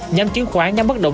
nhóm chiến khoán nhóm bất động